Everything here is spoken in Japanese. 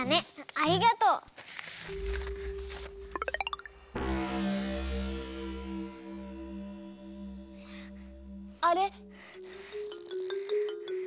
ありがとう！あれ？